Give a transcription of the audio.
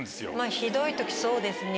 ひどい時そうですね。